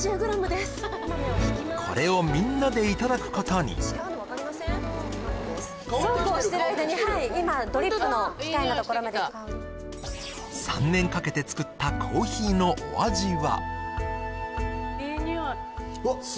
これをみんなでいただくことにそうこうしている間に今ドリップの機械のところまで３年かけてつくったコーヒーのお味は？